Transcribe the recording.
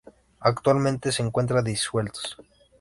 Actualmente se encuentran disueltos.